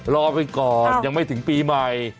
รอไปก่อนยังไม่ถึงปีใหม่